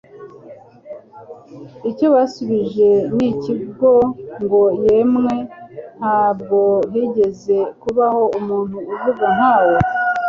Icyo basubije n iki ngo: «Yemwe ntabwo higeze kubaho umuntu uvuga nka we.».